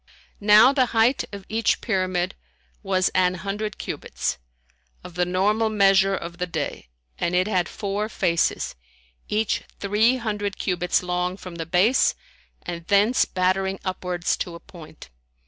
Now the height of each pyramid was an hundred cubits, of the normal measure of the day, and it had four faces, each three hundred cubits long from the base and thence battering upwards to a point.